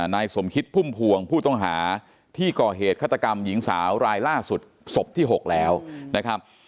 นายสมคิดพุ่มพวงผู้ต้องหาที่ก่อเหตุฆาตกรรมหญิงสาวรายล่าสุดศพที่๖แล้วนะครับ